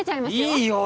いいよ